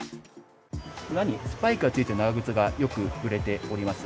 裏にスパイクがついた長靴がよく売れております。